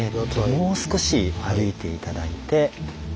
もう少し歩いて頂いて。